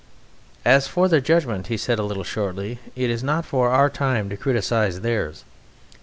"As for their judgment," he said, a little shortly, "it is not for our time to criticize theirs.